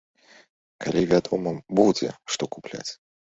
Калі, вядома, будзе, што купляць.